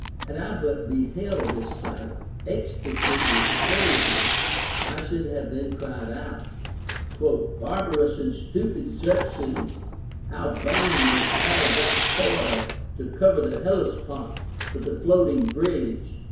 Had I but beheld this sight, ecstasied with pleas ure I should have then cried out :" Barbarous and stupid Xerxes, how vain was all thy toil to cover the Hellespont with a floating bridge